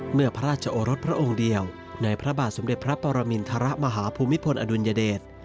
เมื่อพระราชโอรสพระองค์เดียวในพระบาทสมเด็จพระปรมินทรมาฮภูมิพลอดุลยเดช